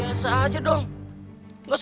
aku mau ke rumah